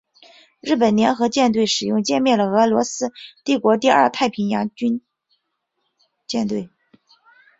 日本联合舰队使用歼灭了俄罗斯帝国第二太平洋舰队。